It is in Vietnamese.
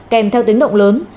kèm theo tiếng động lớn